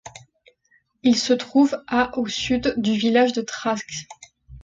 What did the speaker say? Il se trouve à au sud du village de Tržac.